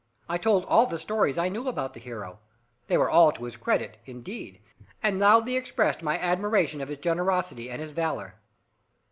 I told all the stories I knew about the hero they were all to his credit, indeed, and loudly expressed my admiration of his generosity and his valour.